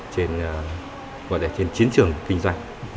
trên chiến trường kinh doanh